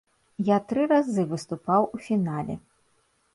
Я тры разы выступаў у фінале.